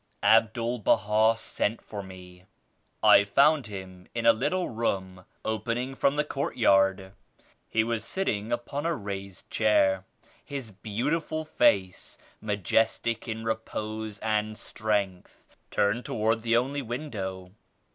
Abdul Baha sent for me. I found him in a little room opening from the courtyard. He was sitting upon a raised chair, his beautiful face majestic in repose and strength turned toward the only window.